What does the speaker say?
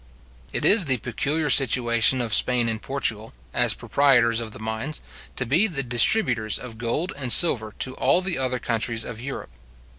It is the peculiar situation of Spain and Portugal, as proprietors of the mines, to be the distributers of gold and silver to all the other countries of Europe.